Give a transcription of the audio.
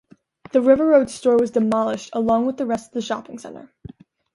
The River Roads store was demolished along with the rest of shopping center.